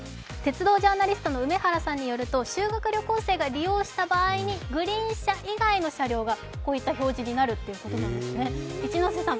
鉄道ジャーナリストの梅原さんによると、修学旅行生が利用した場合にグリーン車以外の車両がこういった表示になるそうです。